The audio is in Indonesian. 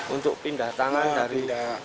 untuk pindah tangan dari